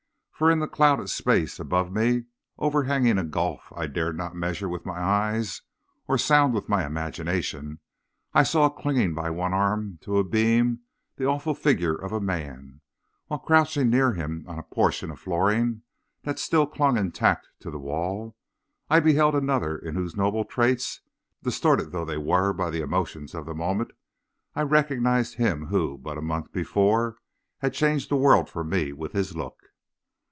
For in the clouded space above me, overhanging a gulf I dared not measure with my eyes or sound with my imagination, I saw clinging by one arm to a beam the awful figure of a man, while crouching near him on a portion of flooring that still clung intact to the wall, I beheld another in whose noble traits, distorted though they were by the emotions of the moment, I recognized him who, but a month before, had changed the world for me with his look.